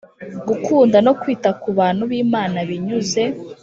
Gukunda no kwita ku bantu b Imana binyuze